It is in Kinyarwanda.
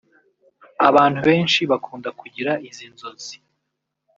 Abantu benshi bakunda kugira izi nzozi